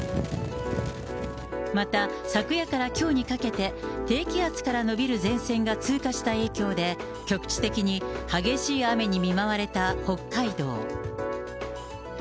また、昨夜からきょうにかけて、低気圧から延びる前線が通過した影響で、局地的に激しい雨に見舞われた北海道。